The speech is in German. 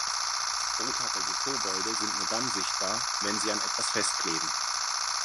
Rothaarige Kobolde sind nur dann sichtbar, wenn sie an etwas festkleben.